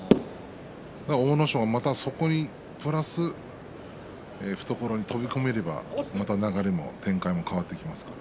阿武咲は、そこにプラス懐に飛び込めればまた流れ、展開が変わってくると思います。